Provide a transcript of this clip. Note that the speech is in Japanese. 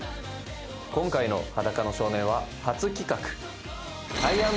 今回の『裸の少年』は初企画！